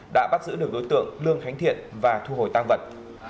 đã bắt giữ được đối tượng lương khánh thiện và thu hồi tăng vật